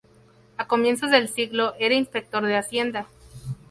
A comienzos del siglo era inspector de hacienda.